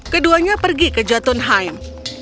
keduanya pergi ke jotunheim